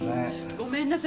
ごめんなさい。